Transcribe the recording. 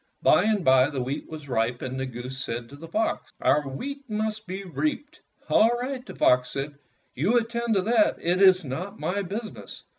By and by the wheat was ripe, and the goose said to the fox, "Our wheat must be reaped." "All right," the fox said, "you attend to that. It is not my business."